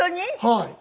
はい。